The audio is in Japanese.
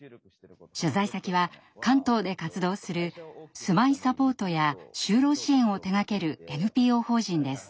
取材先は関東で活動する住まいサポートや就労支援を手がけるＮＰＯ法人です。